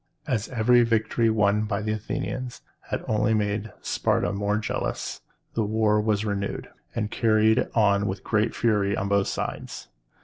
As every victory won by the Athenians had only made Sparta more jealous, the war was renewed, and carried on with great fury on both sides.